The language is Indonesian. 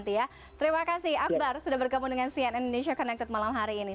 terima kasih akbar sudah bergabung dengan cn indonesia connected malam hari ini